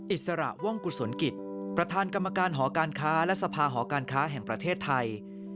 อิสระว่องกุศลกิจประธานกรรมการหอการค้าและสภาหอการค้าแห่งประเทศไทย